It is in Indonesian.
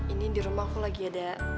ini di rumah aku lagi ada